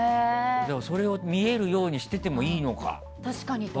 それを見えるようにしててもいいのか。